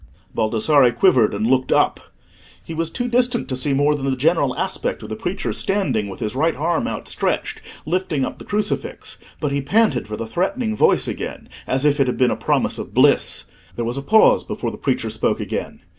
Baldassarre quivered and looked up. He was too distant to see more than the general aspect of the preacher standing, with his right arm outstretched, lifting up the crucifix; but he panted for the threatening voice again as if it had been a promise of bliss. There was a pause before the preacher spoke again.